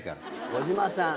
児嶋さん